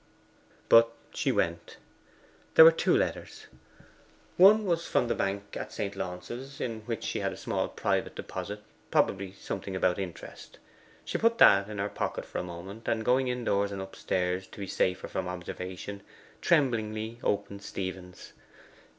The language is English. But she went. There were two letters. One was from the bank at St. Launce's, in which she had a small private deposit probably something about interest. She put that in her pocket for a moment, and going indoors and upstairs to be safer from observation, tremblingly opened Stephen's.